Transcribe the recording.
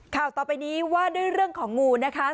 ข่าวต่อไปนี้ว่าด้วยเรื่องของงูนะคะ